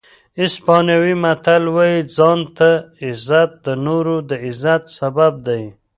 اسپانوي متل وایي ځان ته عزت د نورو د عزت سبب دی.